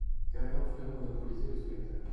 Gargantua monopolisait le spectacle.